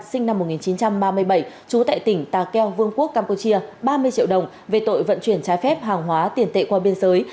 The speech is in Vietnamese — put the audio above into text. sinh năm một nghìn chín trăm ba mươi bảy trú tại tỉnh ta keo vương quốc campuchia ba mươi triệu đồng về tội vận chuyển trái phép hàng hóa tiền tệ qua biên giới